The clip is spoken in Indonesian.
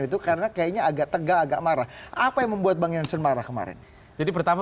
itu karena kayaknya agak tegak agak marah apa yang membuat bang jansen marah kemarin jadi pertama